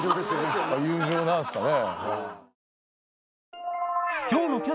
友情なんですかね。